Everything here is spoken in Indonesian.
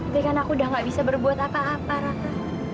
tapi kan aku udah nggak bisa berbuat apa apa raka